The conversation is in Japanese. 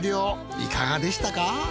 いかがでしたか？